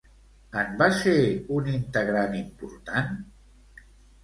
En va ser un integrant important?